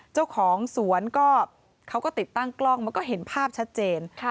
เจ้าของสวนก็เขาก็ติดตั้งกล้องมันก็เห็นภาพชัดเจน